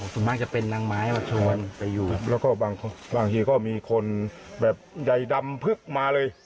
ส่วนมากจะเป็นนางไม้มาชวนไปอยู่แล้วก็บางทีก็มีคนแบบใยดำพึกมาเลย